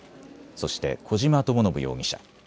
そして小島智信容疑者。